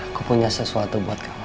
aku punya sesuatu buat kamu